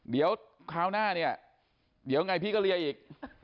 เดี๋ยวคราวหน้าเนี่ยเดี๋ยวไงพี่ก็เลียอีก